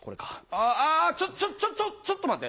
あぁちょちょちょっと待って。